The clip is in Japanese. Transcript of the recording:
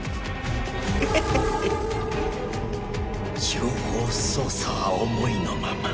情報操作は思いのまま。